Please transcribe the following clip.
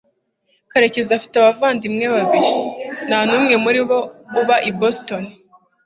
karekezi afite abavandimwe babiri nta n'umwe muri bo uba i boston